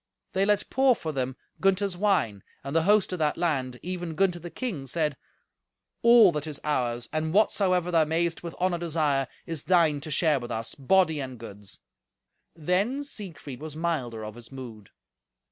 They let pour for them Gunther's wine, and the host of that land, even Gunther the king, said, "All that is ours, and whatsoever thou mayest with honour desire, is thine to share with us, body and goods." Then Siegfried was milder of his mood.